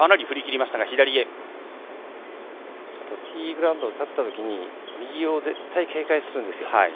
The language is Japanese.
ティーグラウンド立ったときに右を絶対、警戒するんですよ。